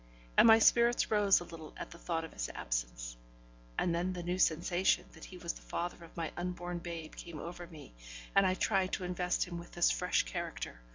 And my spirits rose a little at the thought of his absence; and then the new sensation that he was the father of my unborn babe came over me, and I tried to invest him with this fresh character.